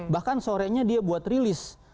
bahkan sorenya dia buat rilis